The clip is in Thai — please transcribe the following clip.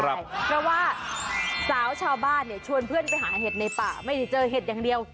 เพราะว่าสาวชาวบ้านเนี่ยชวนเพื่อนไปหาเห็ดในป่าไม่ได้เจอเห็ดอย่างเดียว